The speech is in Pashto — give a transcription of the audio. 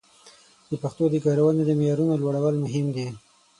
د پښتو د کارونې د معیارونو لوړول مهم دي.